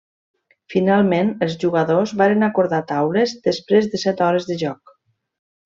Finalment els jugadors varen acordar taules després de set hores de joc.